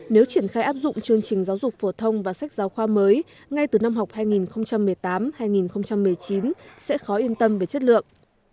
nếu triển khai áp dụng chương trình giáo dục phổ thông và sách giáo khoa mới ngay từ năm học hai nghìn một mươi tám hai nghìn một mươi chín sẽ khó yên tâm về chất lượng